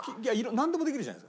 なんでもできるじゃない。